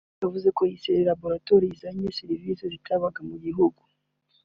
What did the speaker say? yavuze ko iyi laboratoire izanye serivise zitabaga mu gihugu